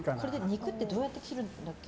肉ってどうやって切るんだっけ。